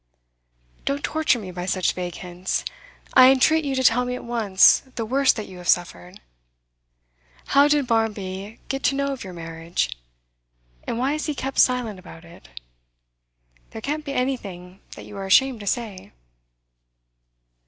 'Don't torture me by such vague hints. I entreat you to tell me at once the worst that you have suffered. How did Barmby get to know of your marriage? And why has he kept silent about it? There can't be anything that you are ashamed to say.